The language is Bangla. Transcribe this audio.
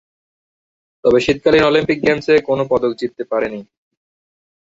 তবে শীতকালীন অলিম্পিক গেমসে কোন পদক জিততে পারেনি।